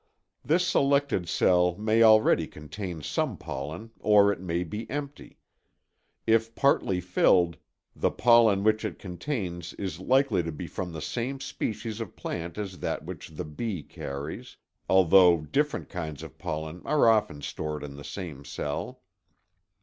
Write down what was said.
This selected cell may already contain some pollen or it may be empty. If partly filled, the pollen which it contains is likely to be from the same species of plant as that which the bee carries, although different kinds of pollen are often stored in the same cell.